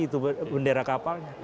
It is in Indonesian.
itu bendera kapalnya